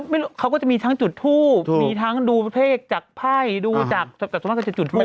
ก็ไม่รู้เขาก็จะมีทั้งจุดทูปมีทั้งดูประเภทจากไพ่ดูจากสมมติจะจุดทูปเยอะ